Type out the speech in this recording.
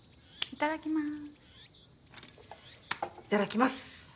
いただきます。